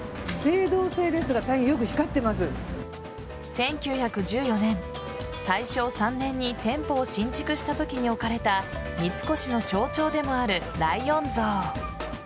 １９１４年、大正３年に店舗を新築したときに置かれた三越の象徴でもあるライオン像。